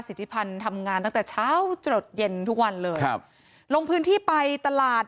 สิทธิพันธ์ทำงานตั้งแต่เช้าจรดเย็นทุกวันเลยครับลงพื้นที่ไปตลาด